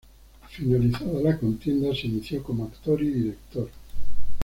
Finalizada la contienda, se inició como actor y director.